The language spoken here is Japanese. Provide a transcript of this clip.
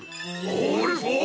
オールフォー。